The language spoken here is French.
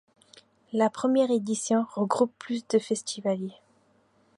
La première édition regroupe plus de festivaliers.